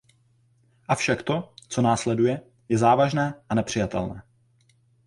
Avšak to, co následuje, je závažné a nepřijatelné.